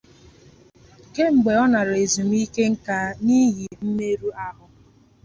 Kemgbe, ọ lara ezumike nká n'ihi mmerụ ahụ.